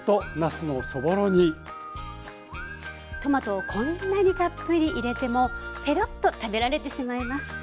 トマトをこんなにたっぷり入れてもペロッと食べられてしまいます。